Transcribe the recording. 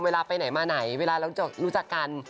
เวลาไปไหนมาไหนเวลาเราจะรู้จักกัน